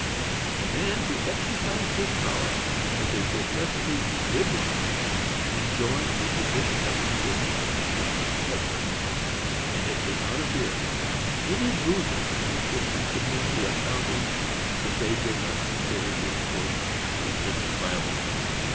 The man who exercised this power was a professedly religious man, enjoying a position of importance in a Christian church; and it does not appear, from any movements in the Christian community about him, that they did not consider his course a justifiable one.